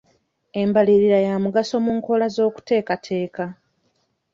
Embalirira ya mugaso mu nkola z'okuteekateeka.